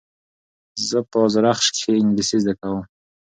زه په ازرخش کښي انګلېسي زده کوم.